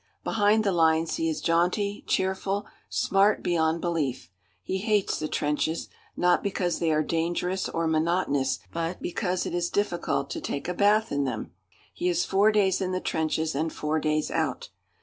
Behind the lines he is jaunty, cheerful, smart beyond belief. He hates the trenches not because they are dangerous or monotonous but because it is difficult to take a bath in them. He is four days in the trenches and four days out.